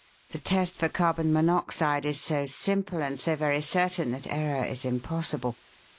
"The test for carbon monoxide is so simple and so very certain that error is impossible.